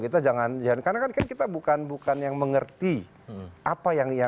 kita jangan jangan karena kan kita bukan bukan yang mengerti apa yang ia